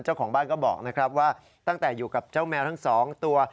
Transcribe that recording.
เจ้าของบ้านก็บอกนะครับว่าตั้งแต่อยู่กับเจ้าแมวทั้งสองตัว